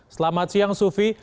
selamat siang sufi